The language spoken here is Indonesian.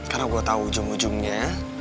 karena gua tau ujung ujungnya